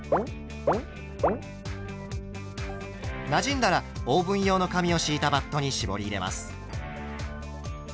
なじんだらオーブン用の紙を敷いたバットに絞り入れます。